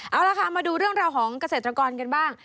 เอาละค่ะมาดูเรื่องราวของเกษตรกรกันบ้าง